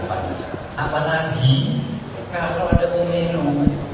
apalagi kalau ada pemilu